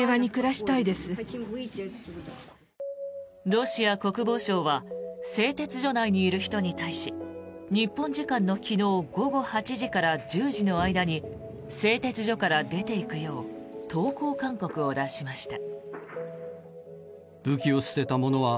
ロシア国防省は製鉄所内にいる人に対し日本時間の昨日午後８時から１０時の間に製鉄所から出ていくよう投降勧告を出しました。